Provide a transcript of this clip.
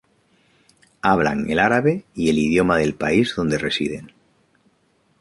Hablan el árabe y el idioma del país donde residen.